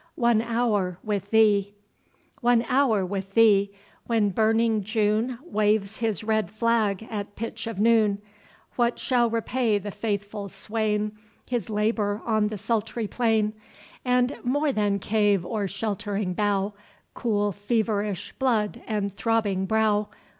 — One hour with thee! One hour with thee!—When burning June Waves his red flag at pitch of noon; What shall repay the faithful swain, His labour on the sultry plain, And more than cave or sheltering bough, Cool feverish blood, and throbbing brow?